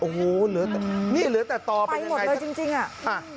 โอ้โหนี่เหลือแต่ตอไฟหมดเลยจริงอะ